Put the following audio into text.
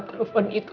tante terlalu takut